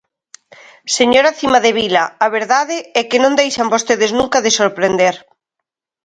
Señora Cimadevila, a verdade é que non deixan vostedes nunca de sorprender.